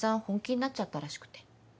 本気になっちゃったらしくて。